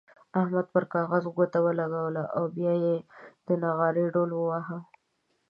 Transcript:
احمد پر کاغذ ګوته ولګوله او بيا يې د نغارې ډوهل وواهه.